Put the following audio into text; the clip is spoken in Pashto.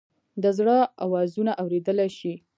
د زړه آوازونه اوریدلئ شې؟